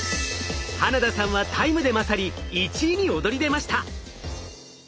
花田さんはタイムで勝り１位に躍り出ました。